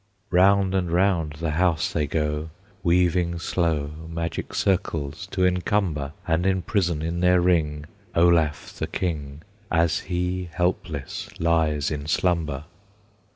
Round and round the house they go, Weaving slow Magic circles to encumber And imprison in their ring Olaf the King, As he helpless lies in slumber.